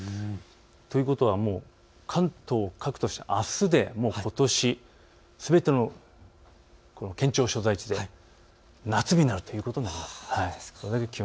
ということは関東各都市あすでことしすべての県庁所在地で夏日になるということです。